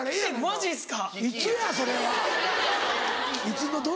マジですか？